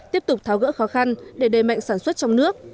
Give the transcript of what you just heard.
tiếp tục tháo gỡ khó khăn để đề mạnh sản xuất trong nước